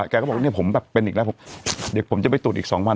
แกก็บอกเนี่ยผมแบบเป็นอีกแล้วเดี๋ยวผมจะไปตรวจอีก๒วัน